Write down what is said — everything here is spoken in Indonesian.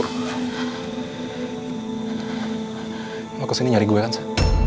lo kesini nyari gue kan sa